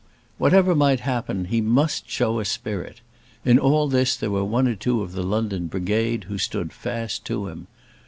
Whatever might happen, he must show a spirit. In all this there were one or two of the London brigade who stood fast to him.